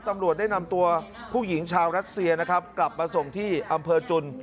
ตำรวจได้นำตัวผู้หญิงชาวรัสเซียนะครับกลับมาส่งที่อำเภอจุน